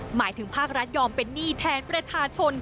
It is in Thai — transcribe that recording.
หมายถึงภาครัฐยอมเป็นหนี้แทนประชาชน